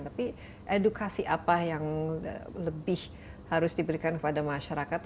tapi edukasi apa yang lebih harus diberikan kepada masyarakat